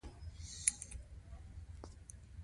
د آذان ږغ د روح سکون دی.